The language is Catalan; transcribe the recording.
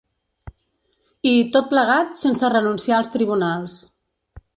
I, tot plegat, sense renunciar als tribunals.